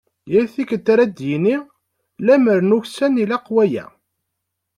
Yal tikkelt ara d-yini: "Lemmer nuksan ilaq waya".